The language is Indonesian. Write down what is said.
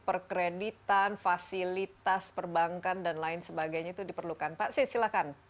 perkreditan fasilitas perbankan dan lain sebagainya itu diperlukan pak silakan